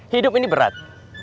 hidup ini berat